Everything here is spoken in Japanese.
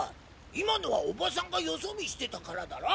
今のはおばさんがよそ見してたからだろ！